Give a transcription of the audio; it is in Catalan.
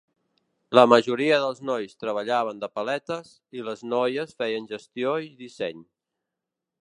La majoria dels nois treballaven de paletes i les noies feien gestió i disseny.